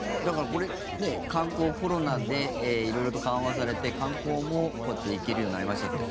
これ、観光、コロナで色々と緩和されて観光もこうやって行けるようになりましたって。